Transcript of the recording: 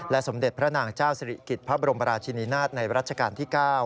สมเด็จพระนางเจ้าสิริกิจพระบรมราชินินาศในรัชกาลที่๙